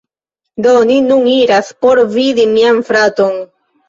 Do, ni nun iras por vidi mian fraton